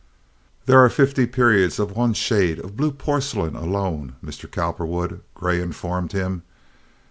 "There are fifty periods of one shade of blue porcelain alone, Mr. Cowperwood," Gray informed him.